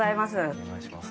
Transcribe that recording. お願いします。